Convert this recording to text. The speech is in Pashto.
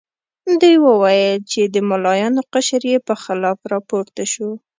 دوی وویل چې د ملایانو قشر یې په خلاف راپورته شو.